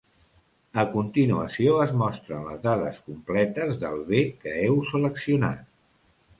A continuació es mostren les dades completes del bé que heu seleccionat.